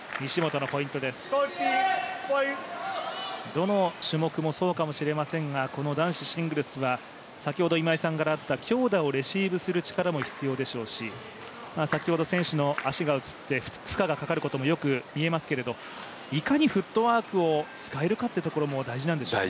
どの種目もそうかもしれませんがこの男子シングルスは先ほど今井さんからあった強打をレシーブする力も必要でしょうし選手の足が映って、負荷がかかるところもよく見えますけれどいかにフットワークを使えるかというところも大事なんでしょうね。